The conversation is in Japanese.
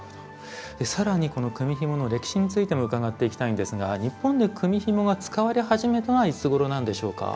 更に組みひもの歴史についても伺っていきたいんですが日本で組みひもが使われ始めたのはいつごろなんでしょうか？